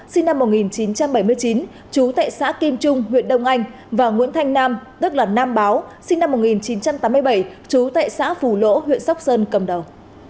sinh năm một nghìn chín trăm bảy mươi chín chú tại xã kim trung huyện đông anh và nguyễn thanh nam tức là nam báo sinh năm một nghìn chín trăm tám mươi bảy chú tại xã phù lỗ huyện sóc sơn cầm đầu